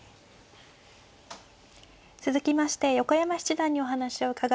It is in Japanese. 続きまして横山七段にお話を伺います。